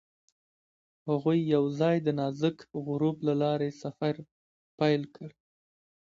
هغوی یوځای د نازک غروب له لارې سفر پیل کړ.